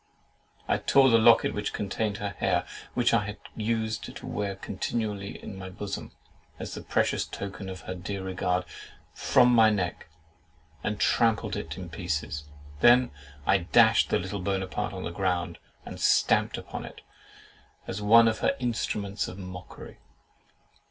I tore the locket which contained her hair (and which I used to wear continually in my bosom, as the precious token of her dear regard) from my neck, and trampled it in pieces. I then dashed the little Buonaparte on the ground, and stamped upon it, as one of her instruments of mockery.